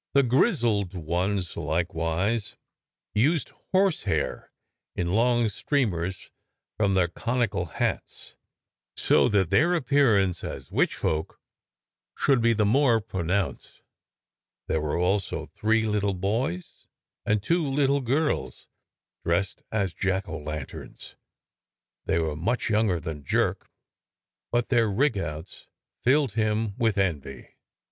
The grizzled ones likewise used horse hair in long streamers from their conical hats, so that their appearance as witchfolk should be the more pro nounced. There were also three little boys and two little girls dressed as jack o' lanterns. They were much younger than Jerk, but their rigouts filled him with envy.